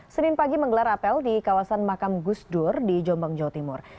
senin pagi menggelar apel di kawasan makam gusdur di jombang jawa timur